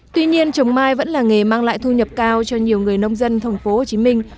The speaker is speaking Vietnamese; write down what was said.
tuy nhiên trồng mai vẫn là nghề mang lại thu nhập cao cho nhiều người nông dân thành phố hồ chí minh